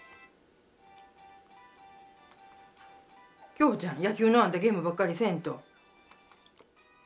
京ちゃん野球のあんたゲームばっかりせんと。